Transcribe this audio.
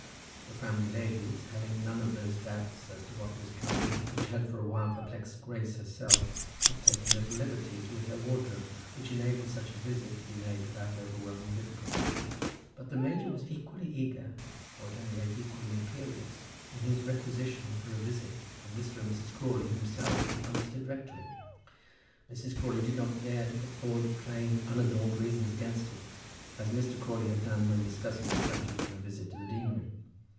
The Framley ladies, having none of those doubts as to what was coming which had for a while perplexed Grace herself, had taken little liberties with her wardrobe, which enabled such a visit to be made without overwhelming difficulties. But the major was equally eager, or at any rate equally imperious, in his requisition for a visit from Mr. and Mrs. Crawley themselves to Plumstead rectory. Mrs. Crawley did not dare to put forward the plain unadorned reasons against it, as Mr. Crawley had done when discussing the subject of a visit to the deanery.